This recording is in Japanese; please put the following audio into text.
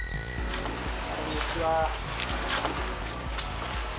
こんにちは。